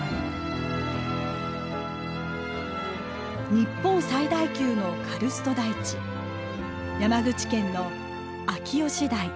日本最大級のカルスト台地山口県の秋吉台。